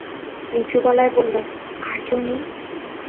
নিচু গলায় বলল, আর কেউ নেই?